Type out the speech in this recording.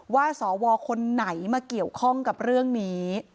สวคนไหนมาเกี่ยวข้องกับเรื่องนี้